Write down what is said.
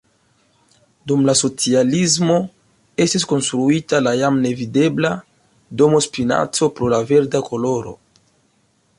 Dum la socialismo estis konstruita la jam nevidebla "Domo Spinaco" pro la verda koloro.